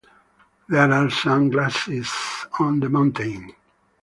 There are some glaciers on the mountain.